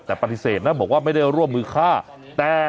แต่ปฏิเสธนะ